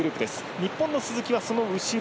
日本の鈴木はその後ろ。